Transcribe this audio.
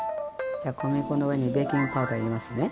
じゃあ小麦粉の上にベーキングパウダー入れますね。